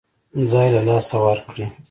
ځای له لاسه ورکړي.